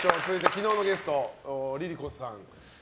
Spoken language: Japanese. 昨日のゲストＬｉＬｉＣｏさんより。